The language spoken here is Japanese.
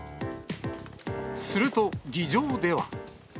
すると、議場では。